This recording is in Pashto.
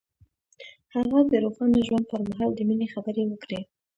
هغه د روښانه ژوند پر مهال د مینې خبرې وکړې.